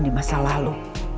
di masa lalu